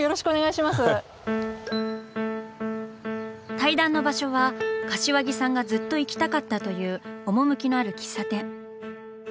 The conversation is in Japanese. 対談の場所は柏木さんがずっと行きたかったという趣のある喫茶店。